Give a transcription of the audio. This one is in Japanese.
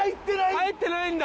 入ってないんだ！